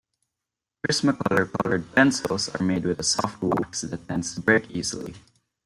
Prismacolor colored pencils are made with a soft wax that tends to break easily.